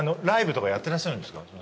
ライブとかやってらっしゃるんですか？